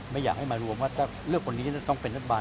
ไม่อยากให้มารวมว่าถ้าเลือกคนนี้จะต้องเป็นรัฐบาล